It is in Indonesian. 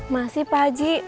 masih pak haji